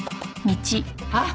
あっ！